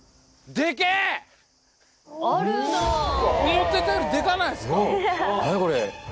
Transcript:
思ってたよりでかないっすか？